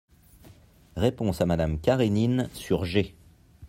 Réponse à Madame Karénine sur G.